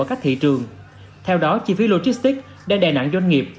các thị trường theo đó chi phí logistics đã đè nặng doanh nghiệp